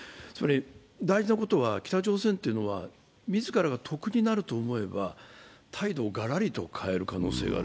大事なことは北朝鮮というのは、自らが得になると思えば、態度をがらりと変える可能性がある。